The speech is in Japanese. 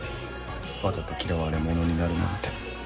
わざと嫌われ者になるなんて。